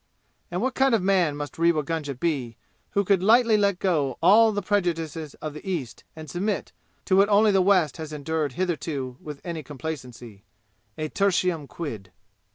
And what kind of man must Rewa Gunga be who could lightly let go all the prejudices of the East and submit to what only the West has endured hitherto with any complacency a "tertium quid"?